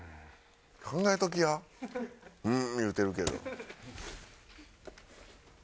考えておきや「うーん」言うてるけど。